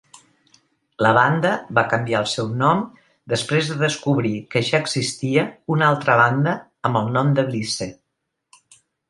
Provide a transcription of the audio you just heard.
La banda va canviar el seu nom després de descobrir que ja existia un altra banda amb el nom de "Blisse".